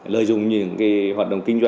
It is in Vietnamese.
lợi dụng những cái hoạt động kỹ thuật